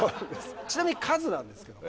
ちなみに数なんですけど。